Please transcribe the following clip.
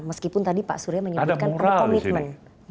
meskipun tadi pak surya menyebutkan ada komitmen